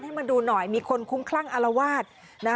ให้มันดูหน่อยมีคนคุ้มคลั่งอลวาสนะ